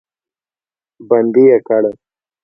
بندي یې کړ.